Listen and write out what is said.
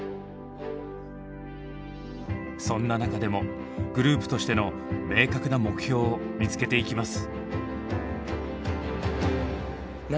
そんな中でもグループとしての明確な目標を見つけていきます。